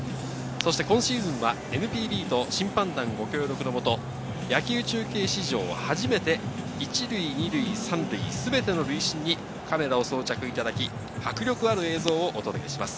そして今シーズンはＮＰＢと審判団協力のもと、野球中継史上初めて１塁・２塁・３塁すべての塁審にカメラを装着いただき迫力ある映像をお届けします。